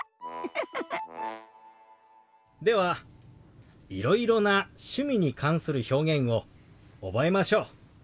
ではいろいろな趣味に関する表現を覚えましょう。